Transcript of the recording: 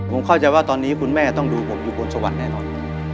ผมเข้าใจว่าตอนนี้คุณแม่ต้องดูผมอยู่บนสวรรค์แน่นอน